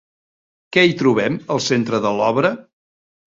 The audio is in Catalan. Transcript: Què hi trobem al centre de l'obra?